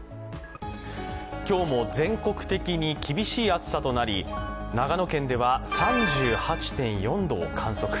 今日も、全国的に厳しい暑さとなり長野県では３８．４度を観測。